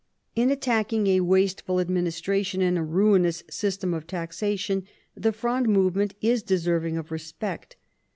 In attacking a wasteful administration and a ruinous system of taxation, the Fronde movement is deserving of respect.